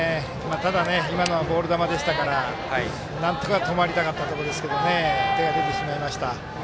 ただ、今のはボール球でしたからなんとか止まりたかったところでしたが手が出てしまいました。